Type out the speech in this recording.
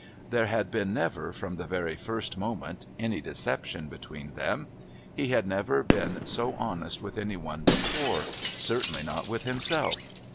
There had been never, from the very first moment, any deception between them. He had never been so honest with any one before certainly not with himself.